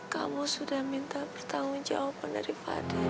kamu sudah minta bertanggung jawaban dari fadil